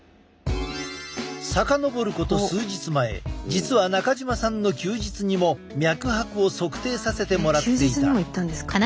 遡ること数日前実は中島さんの休日にも脈拍を測定させてもらっていた。